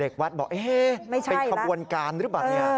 เด็กวัดบอกเอ๊ะเป็นขบวนการหรือบะ